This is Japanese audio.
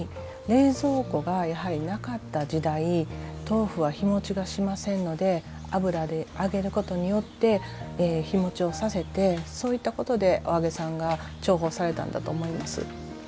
冷蔵庫がやはりなかった時代豆腐は日もちがしませんので油で揚げることによって日もちをさせてそういったことでお揚げさんが重宝されたんだと思います。